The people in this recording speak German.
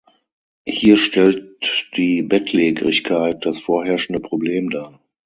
Hier stellt die Bettlägerigkeit das vorherrschende Problem dar.